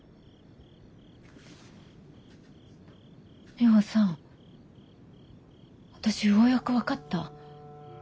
ミホさん私ようやく分かった。